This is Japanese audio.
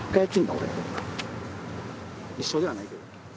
一緒ではないけど。